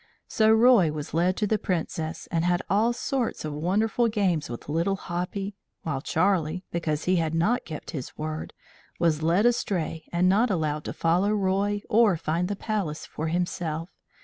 So Roy was led to the Princess, and had all sorts of wonderful games with Little Hoppy, while Charlie, because he had not kept his word, was led astray and not allowed to follow Roy or find the Palace for himself.